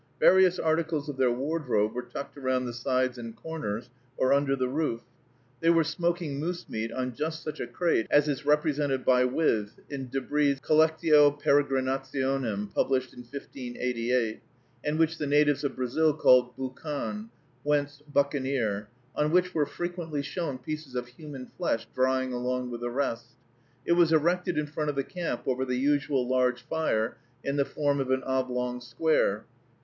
Various articles of their wardrobe were tucked around the sides and corners, or under the roof. They were smoking moose meat on just such a crate as is represented by With, in De Bry's "Collectio Peregrinationum," published in 1588, and which the natives of Brazil called boucan (whence buccaneer), on which were frequently shown pieces of human flesh drying along with the rest. It was erected in front of the camp over the usual large fire, in the form of an oblong square.